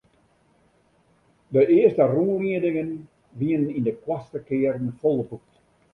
De earste rûnliedingen wiene yn de koartste kearen folboekt.